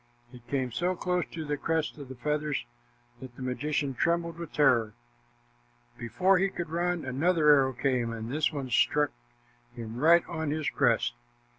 It came so close to the crest of feathers that the magician trembled with terror. Before he could run, another arrow came, and this one struck him right on his crest.